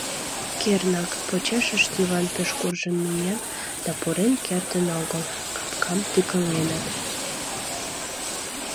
Кернак, почешышт Йыван пеш куржын миен — да пурен кертын огыл: капкам тӱкыленыт.